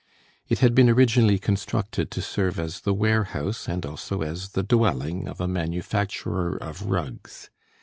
It had been originally constructed to serve as the warehouse and also as the dwelling of a manufacturer of rugs.